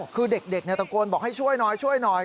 คือเด็กตะโกนบอกให้ช่วยหน่อย